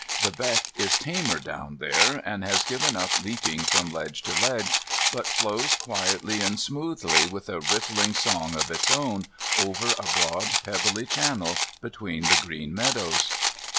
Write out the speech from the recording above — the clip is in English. The beck is tamer down there, and has given up leaping from ledge to ledge, but flows quietly and smoothly, with a rippling song of its own, over a broad pebbly channel between the green meadows.